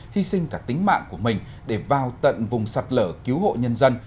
hy sinh cả tính mạng của mình để vào tận vùng sạt lở cứu hộ nhân dân